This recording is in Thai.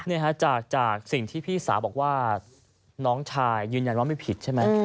นี่ฮะจากสิ่งที่พี่สาวบอกว่าน้องชายยืนยันว่าไม่ผิดใช่ไหม